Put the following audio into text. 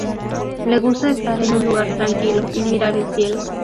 Le gusta estar en un lugar tranquilo y mirar el cielo.